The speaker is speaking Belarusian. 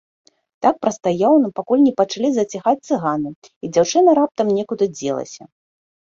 Так прастаяў ён, пакуль не пачалі заціхаць цыганы і дзяўчына раптам некуды дзелася.